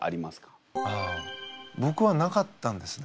あぼくはなかったんですね。